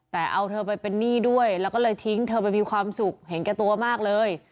แต่เอาเธอไปเป็นหนี้ด้วยแล้วก็เลยทิ้งเธอไปมีความสุขเห็นแก่ตัวมากเลย